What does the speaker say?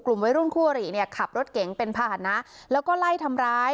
กลุ่มวัยรุ่นคู่อริเนี่ยขับรถเก๋งเป็นภาษณะแล้วก็ไล่ทำร้าย